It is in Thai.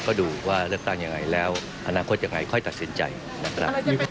ก็ดูว่าเลือกตั้งยังไงแล้วอนาคตยังไงค่อยตัดสินใจนะครับ